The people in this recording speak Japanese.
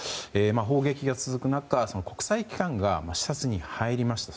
砲撃が続く中国際機関が視察に入りました。